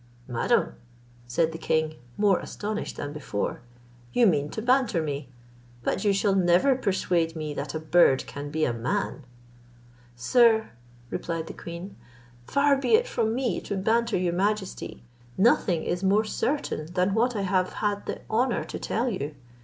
"Madam," said the king, more astonished than before, "you mean to banter me; but you shall never persuade me that a bird can be a man." "Sir," replied the queen, "far be it from me to banter your majesty; nothing is more certain than what I have had the honour to tell you.